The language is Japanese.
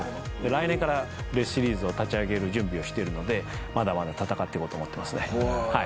来年からレースシリーズを立ち上げる準備をしているのでまだまだ戦っていこうと思ってますね。